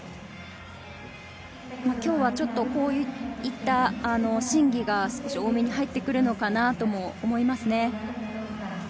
今日はこういった審議が多めに入ってくるのかなとも思います。